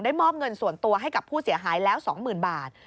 มอบเงินส่วนตัวให้กับผู้เสียหายแล้ว๒๐๐๐บาท